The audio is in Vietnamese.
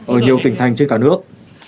ở nhiều tỉnh thành trên cả nước